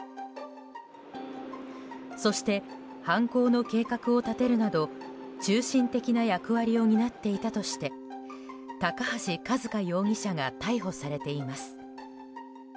そして、犯行の計画を立てるなど中心的な役割を担っていたとして高橋一風容疑者が逮捕されています。